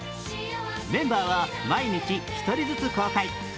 メンバーは毎日１人ずつ交代。